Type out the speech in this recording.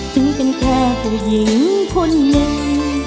ถึงเป็นแค่ผู้หญิงคนหนึ่ง